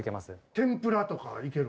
天ぷらとか行ける？